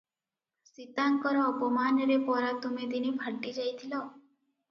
ସୀତାଙ୍କର ଅପମାନରେ ପରା ତୁମେ ଦିନେ ଫାଟି ଯାଇଥିଲ?